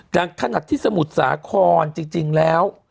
ดังขณะที่สมุทรสาครจริงแล้ว